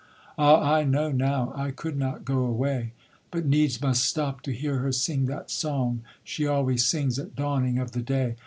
Ah! I know now; I could not go away, But needs must stop to hear her sing that song She always sings at dawning of the day.